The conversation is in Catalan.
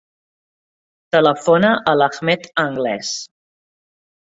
Telefona a l'Ahmed Angles.